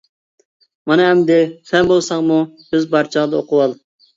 مانا ئەمدى سەن بولساڭمۇ بىز بار چاغدا ئوقۇۋال.